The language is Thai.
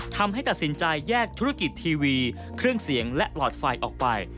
ทำให้ตัดสินใจแยกธุรกิจทีวีเครื่องเสียงและหลอดไฟออกไป